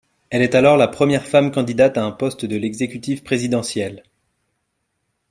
Elle est alors la première femme candidate à un poste de l'exécutif présidentiel.